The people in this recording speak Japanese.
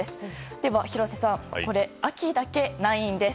では廣瀬さん、秋だけないんです。